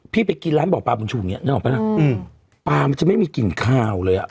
พี่ไปกินร้านบ่อปลาบุญชูเนี้ยนึกออกปะนะอืมปลามันจะไม่มีกลิ่นข้าวเลยอ่ะอ๋อ